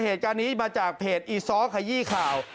เหตุการณ์นี้มาจากเพจอีซ้อขยี้ข่าว